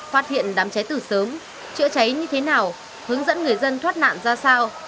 phát hiện đám cháy từ sớm chữa cháy như thế nào hướng dẫn người dân thoát nạn ra sao